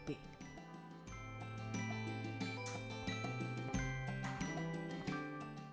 bagaimana cara menjual produknya